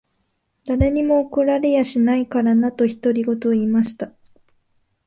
誰にも怒られやしないからな。」と、独り言を言いました。